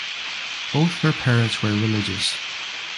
Both her parents were religious.